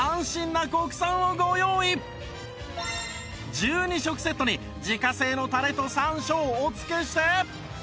１２食セットに自家製のタレと山椒をお付けして